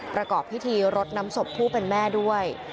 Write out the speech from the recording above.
ประกอบพิธีรดน้ำศพผู้เป็นแม่ด้วย